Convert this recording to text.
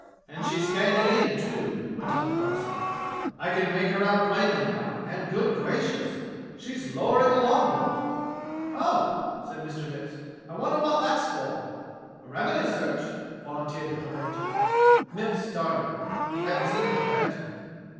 "And she's standing in, too," went on the parson. "I can make her out plainly now, and, good gracious! she's lowering a long boat!" "Oh!" said Mr. Mipps, "I wonder wot that's for.^" "A revenue search," volunteered the preventer. Mipps started. He hadn't seen the preventer.